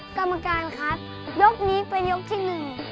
กรรมการครับยกนี้เป็นยกที่หนึ่ง